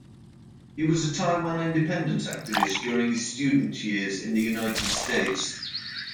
He was a Taiwan independence activist during his student years in the United States.